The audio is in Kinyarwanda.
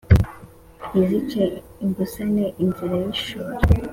Ntizice imbusane inzira y' ishora